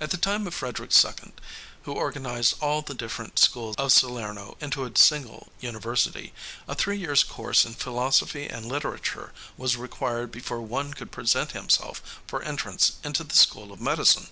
At the time of Frederick II, who organized all the different schools of Salerno into a single university, a three years' course in philosophy and literature was required before one could present himself for entrance into the school of medicine.